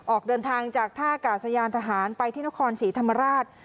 ออกเดินทางจากท่ากาศยานทหารไปที่นครศรีธรรมราช